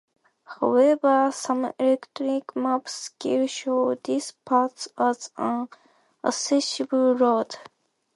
However, some electronic maps still show this part as an accessible road.